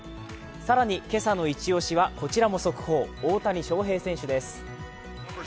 更に今朝のイチ押しは、こちらも速報、大谷翔平選手です。